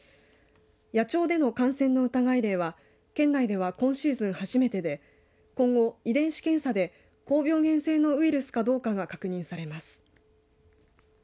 野鳥での感染の疑い例は県内では今シーズン初めてで今後、遺伝子検査で高病原性のウイルスかどうか確認されます。